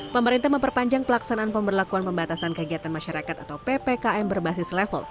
pemerintah memperpanjang pelaksanaan pemberlakuan pembatasan kegiatan masyarakat atau ppkm berbasis level